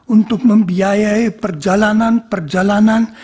untuk membiayai perjalanan perjalanan